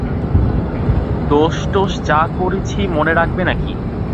দোষটোষ যা করেছি মনে রাখবেন নাকি?